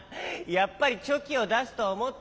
やっぱりチョキをだすとおもった。